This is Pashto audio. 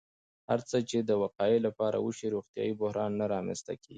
هره هڅه چې د وقایې لپاره وشي، روغتیایي بحران نه رامنځته کېږي.